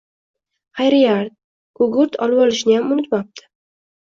Xayriyat, gugurt olvolishniyam unutmabdi